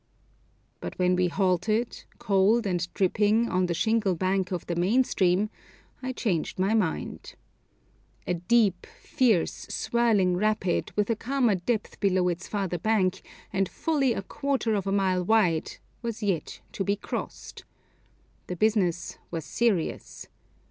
But when we halted, cold and dripping, on the shingle bank of the main stream I changed my mind. A deep, fierce, swirling rapid, with a calmer depth below its farther bank, and fully a quarter of a mile wide, was yet to be crossed. The business was serious.